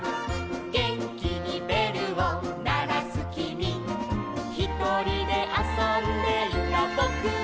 「げんきにべるをならすきみ」「ひとりであそんでいたぼくは」